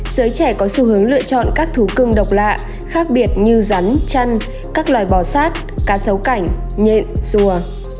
giới trẻ có xu hướng lựa chọn các thú cưng độc lạ khác biệt như rắn chăn các loài bò sát cá sấu cảnh nhện xùa